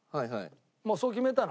もうそう決めたの。